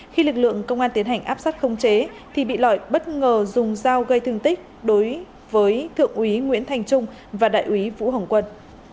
khi lực lượng công an tiến hành áp sát không chế thì bị lợi bất ngờ dùng dao gây thương tích đối với thượng úy nguyễn thành trung và đại úy vũ hồng quân